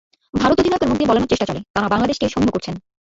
ভারত অধিনায়কের মুখ দিয়ে বলানোর চেষ্টা চলে, তাঁরা বাংলাদেশকে সমীহ করছেন।